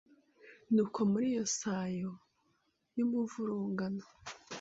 Ni uko muri iyo sayo y’umuvurungano